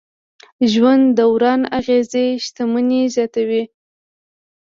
ژوند دوران اغېزې شتمني زیاتوي.